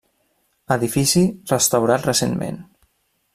Edifici restaurat recentment.